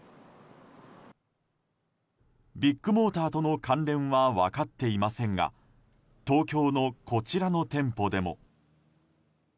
ビッグモーターとの関連は分かっていませんが東京のこちらの店舗でも。